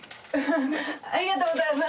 ありがとうございます。